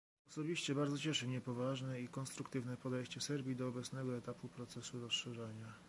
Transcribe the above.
Osobiście bardzo cieszy mnie poważne i konstruktywne podejście Serbii do obecnego etapu procesu rozszerzenia